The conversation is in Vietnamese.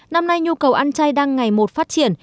năm nay nhu cầu ăn chay đang ngày một phát triển